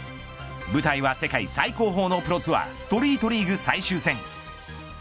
舞台は世界最高峰のプロツアーストリートリーグ最終戦。